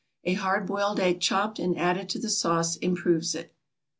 A hard boiled egg chopped and added to the sauce improves it.